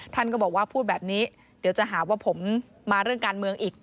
ท่านก็บอกว่าพูดแบบนี้เดี๋ยวจะหาว่าผมมาเรื่องการเมืองอีก